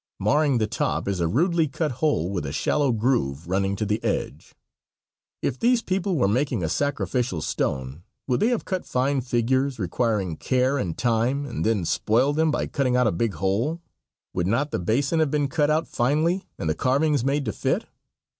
Marring the top is a rudely cut hole with a shallow groove running to the edge. If these people were making a sacrificial stone would they have cut fine figures, requiring care and time, and then spoil them by cutting out a big hole? Would not the basin have been cut out finely and the carvings made to fit?